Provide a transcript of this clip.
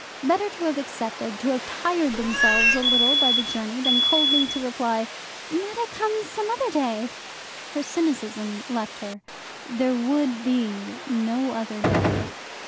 Better to have accepted, to have tired themselves a little by the journey, than coldly to reply, "Might I come some other day?" Her cynicism left her. There would be no other day.